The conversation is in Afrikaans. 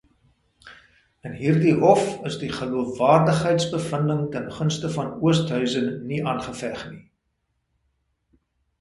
In hierdie hof is die geloofwaardigheidsbevinding ten gunste van Oosthuizen nie aangeveg nie.